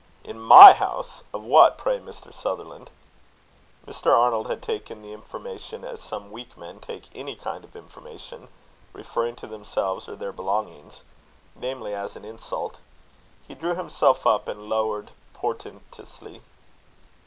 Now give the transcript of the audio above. "In my house? Of what, pray, Mr. Sutherland?" Mr. Arnold had taken the information as some weak men take any kind of information referring to themselves or their belongings namely, as an insult. He drew himself up, and lowered portentously.